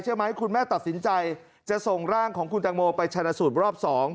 เพราะฉะนั้นคุณแม่ตัดสินใจจะส่งร่างของคุณจังโมไปชัณฑสูตรรอบ๒